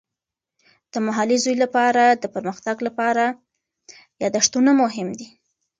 د محلي زوی لپاره د پرمختګ لپاره یادښتونه مهم دي.